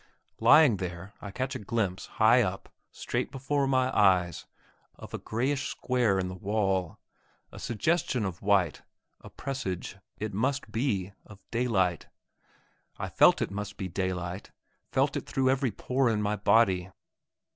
Lying there I catch a glimpse, high up, straight before my eyes, of a greyish square in the wall, a suggestion of white, a presage it must be of daylight. I felt it must be daylight, felt it through every pore in my body.